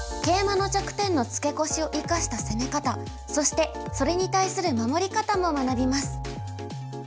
ケイマの弱点のツケコシを生かした攻め方そしてそれに対する守り方も学びます。